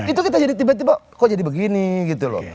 itu kita jadi tiba tiba kok jadi begini gitu loh